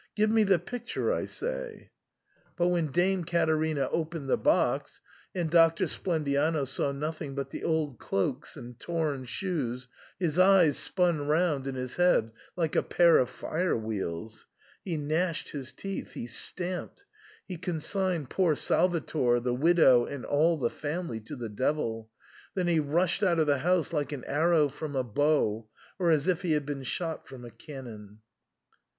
Give me the picture, I say." But when Dame Caterina opened the box, and Doc tor Splendiano saw nothing but the old cloaks and torn shoes, his eyes spun round in his head like a pair of fire wheels ; he gnashed his teeth ; he stamped ; he con signed poor Salvator, the widow, and all the family to the devil ; then he rushed out of the house like an ar row from a bow, or as if he had been shot from a can non.